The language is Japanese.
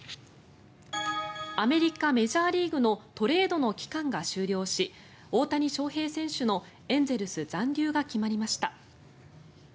アメリカ・メジャーリーグのトレードの期間が終了し大谷翔平選手のエンゼルス残留が決まりました。